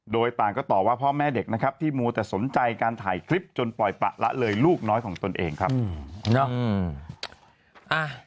โดยต่างก็ตอบว่าพ่อแม่เด็กนะครับที่มัวแต่สนใจการถ่ายคลิปจนปล่อยประละเลยลูกน้อยของตนเองครับ